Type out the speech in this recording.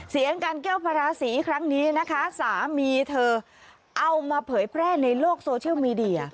เสียงการแก้วพระราศีครั้งนี้นะคะสามีเธอเอามาเผยแพร่ในโลกโซเชียลมีเดีย